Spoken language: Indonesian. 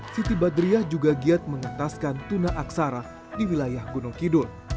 siti badriah juga giat mengentaskan tuna aksara di wilayah gunung kidul